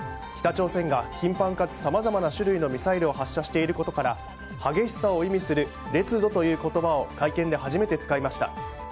北朝鮮が頻発かつさまざまな種類のミサイルを発射していることから激しさを意味する烈度という言葉を会見で初めて使いました。